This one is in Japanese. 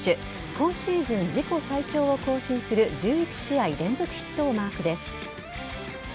今シーズン自己最長を更新する１１試合連続ヒットをマークです。